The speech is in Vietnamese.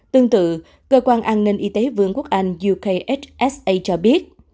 tương tự cơ quan an ninh y tế vương quốc anh yoksa cho biết